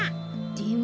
でも。